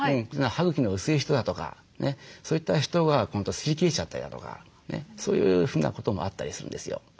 歯茎の薄い人だとかそういった人は今度すり切れちゃったりだとかそういうふうなこともあったりするんですよ。